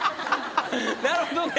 なるほどね。